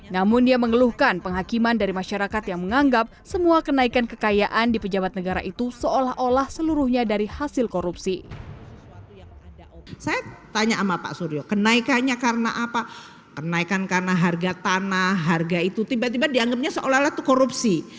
namun dia mengeluhkan penghakiman dari masyarakat yang menganggap semua kenaikan kekayaan di pejabat negara itu seolah olah seluruhnya dari hasil korupsi seolah olah itu korupsi